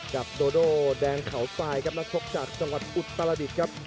กับโดโดแดงเขาซ้ายครับมาชกจากจังหวัดอุตสรรดิสครับ